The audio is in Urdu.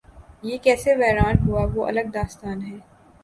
یہ کیسے ویران ہوا وہ الگ داستان ہے۔